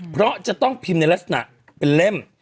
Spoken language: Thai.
เพราะจะต้องพิมพ์ในลักษณะเป็นเล่ม